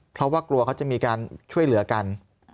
เพราะว่ากลัวเขาจะมีการช่วยเหลือกัน